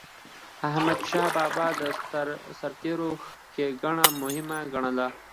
احمدشاه بابا به د سرتيرو ښيګڼه مهمه ګڼله.